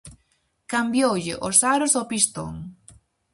Cambioulle os aros ao pistón.